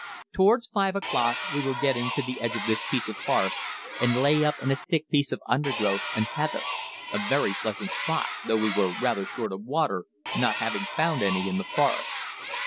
Towards 5 o'clock we were getting to the edge of this piece of forest, and lay up in a thick piece of undergrowth, and heather a very pleasant spot, though we were rather short of water, not having found any in the forest.